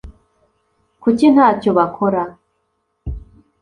kuki ntacyo bakora